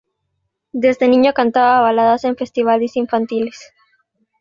Desde niño cantaba baladas en festivales infantiles.